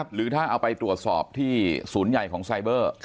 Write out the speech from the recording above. หรือถ้าเอาไปตรวจสอบที่ศูนย์ใหญ่ของไซเบอร์